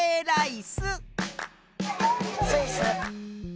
スイス。